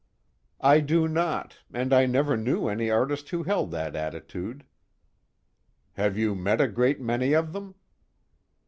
"I do not, and I never knew any artist who held that attitude." "Have you met a great many of them?"